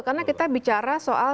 karena kita bicara soal